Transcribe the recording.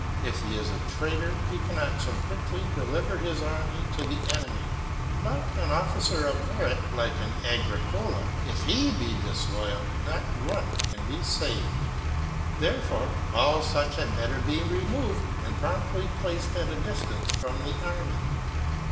If he is a traitor he cannot so quickly deliver his army to the enemy. But an officer of merit like an Agricola ŌĆö if he be disloyal, not one can be saved. Therefore, all such had better be removed and promptly placed at a distance from the array.